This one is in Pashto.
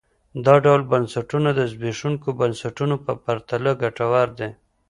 دا ډول بنسټونه د زبېښونکو بنسټونو په پرتله ګټور دي.